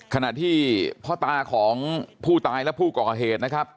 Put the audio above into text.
ขณะที่พ่อตาของผู้ตายและผู้ก่อเหตุนะครับ